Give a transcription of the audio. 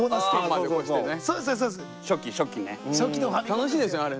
楽しいですよねあれ。